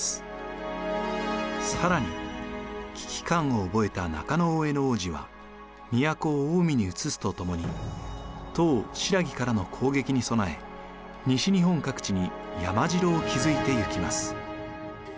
更に危機感を覚えた中大兄皇子は都を近江にうつすとともに唐新羅からの攻撃に備え西日本各地に山城を築いていきます。